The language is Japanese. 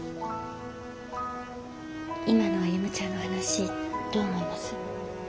今の歩ちゃんの話どう思います？